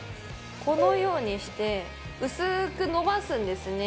このようにして薄く伸ばすんですね。